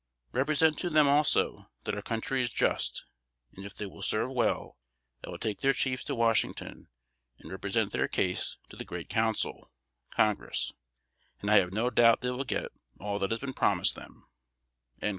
Represent to them also, that our country is just, and if they will serve well, I will take their chiefs to Washington, and represent their case to the Great Council (Congress), and I have no doubt they will get all that has been promised them."